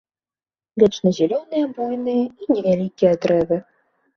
Вечназялёныя буйныя і невялікія дрэвы.